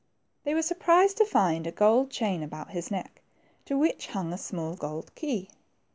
They were surprised to find a gold chain about his neck, to which hung a small gold key.